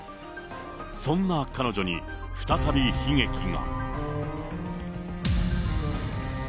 そんな彼女に、再び悲劇が。